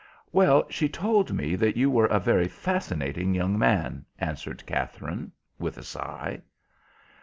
"Well, she told me that you were a very fascinating young man," answered Katherine, with a sigh.